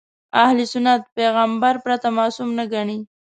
اهل سنت پیغمبر پرته معصوم نه ګڼي.